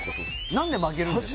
何で曲げるんですか？